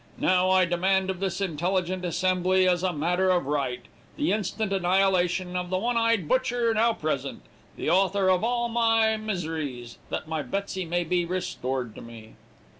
Now I demand of this intelligent assembly, as a matter of right, the instant annihilation of the one eyed butcher now present, the author of all my miseries, that my Betsey may be restored to me.'